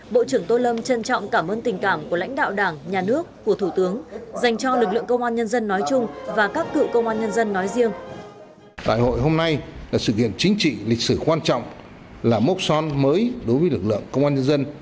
bộ trưởng tô lâm mong muốn mỗi cán bộ hội viên phát huy phẩm chất cao đẹp